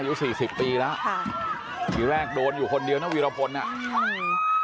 อายุสี่สิบปีแล้วค่ะทีแรกโดนอยู่คนเดียวนะวีรพลน่ะใช่